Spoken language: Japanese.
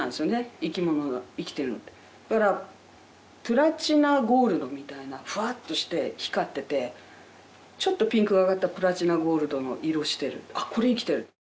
生き物の生きてるのってだからプラチナゴールドみたいなふわっとして光っててちょっとピンクがかったプラチナゴールドの色してるあっこれ生きてる！